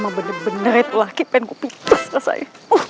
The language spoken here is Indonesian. emang bener bener itu laki pengen gue pintas rasanya